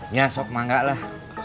nya sok mangga lah